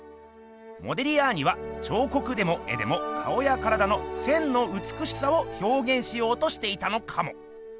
モディリアーニは彫刻でも絵でも顔や体の線のうつくしさを表現しようとしていたのかも。